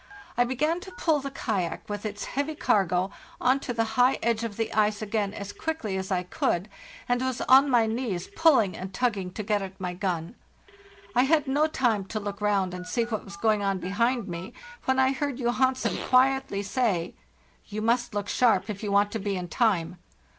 I began to pull the kayak, with its heavy cargo, on to the high edge of the ice again as quickly as I could, and was on my knees pulling and tugging to get at my gun. I had no time to look round and see what "VOU MUST LOOK SHARP!" was going on behind me, when I heard Johansen quietly say, 'You must look sharp if you want to be in time!